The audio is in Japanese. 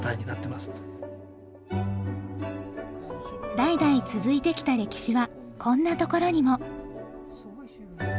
代々続いてきた歴史はこんなところにも。